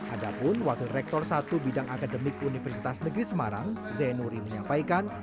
adapun wakil rektor satu bidang akademik universitas negeri semarang zainuri menyampaikan